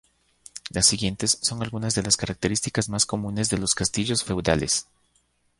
Las siguientes son algunas de las características más comunes de los castillos feudales.